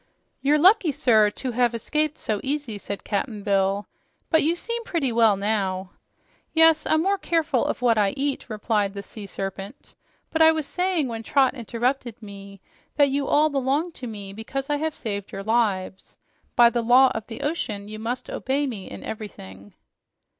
"You're lucky, sir, to have escaped so easy," said Cap'n Bill. "But you seem pretty well now." "Yes, I'm more careful of what I eat," replied the Sea Serpent. "But I was saying when Trot interrupted me, that you all belong to me, because I have saved your lives. By the law of the ocean, you must obey me in everything."